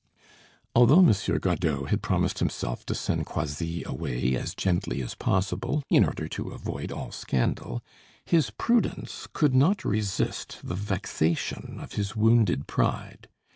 Although M. Godeau had promised himself to send Croisilles away as gently as possible, in order to avoid all scandal, his prudence could not resist the vexation of his wounded pride.